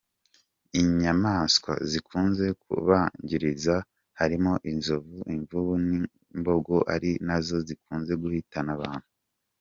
Inyamanswa zikunze kubangiriza harimo inzovu, imvubu n’imbogo ari nazo zikunze guhitana abantu.